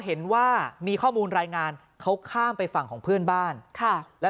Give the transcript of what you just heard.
เห็นว่ามีข้อมูลรายงานเขาข้ามไปฝั่งของเพื่อนบ้านค่ะแล้ว